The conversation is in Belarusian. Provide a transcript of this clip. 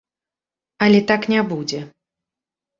Але так не будзе.